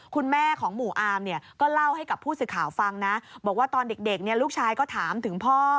คุณแม่ของหมู่อามเนี่ยก็เล่าให้กับผู้สื่อข่าวฟังนะบอกว่าตอนเด็กลูกชายก็ถามถึงพ่อ